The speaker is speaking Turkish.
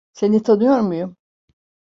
Seni tanıyor muyum?